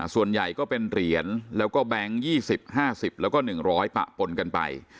ส่วนใหญ่ก็เป็นเหรียญแล้วก็แบงค์๒๐๕๐แล้วก็๑๐๐ปะปนกันไป